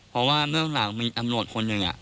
เพราะว่าเบื้องหลังมีตำรวจคนหนึ่ง